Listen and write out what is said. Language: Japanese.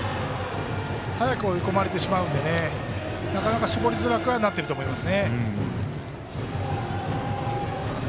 早く追い込まれてしまうので絞りづらくはなっていると思います。